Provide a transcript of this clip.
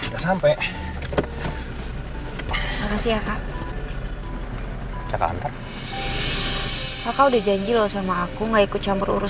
tapi kalo anak anak dulu tidak bisa memanggi action valentines